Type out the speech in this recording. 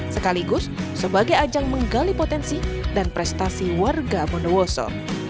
sekaligus sebagai ajang menggali potensi dan prestasi warga bondowoso